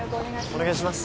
お願いします